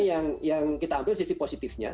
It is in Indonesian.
yang kita ambil sisi positifnya